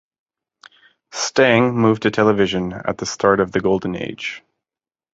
Stang moved to television at the start of the Golden Age.